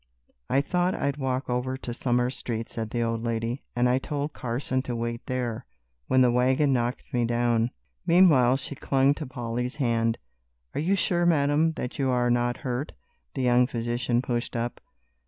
"I thought I'd walk over to Summer Street," said the old lady, "and I told Carson to wait there, when the wagon knocked me down." Meanwhile she clung to Polly's hand. "Are you sure, madam, that you are not hurt?" the young physician pushed up.